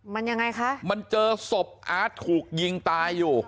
มันยังไงคะมันเจอศพอาร์ตถูกยิงตายอยู่